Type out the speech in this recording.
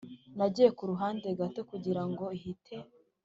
nagiye ku ruhande gato kugira ngo ihite.